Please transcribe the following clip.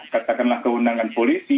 katakanlah keundangan polisi